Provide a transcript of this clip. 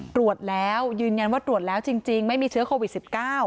ตรวจแล้วยืนยันว่าตรวจแล้วจริงไม่มีเชื้อโควิด๑๙